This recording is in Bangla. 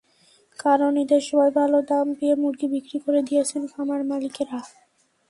কারণ, ঈদের সময় ভালো দাম পেয়ে মুরগি বিক্রি করে দিয়েছেন খামারমালিকেরা।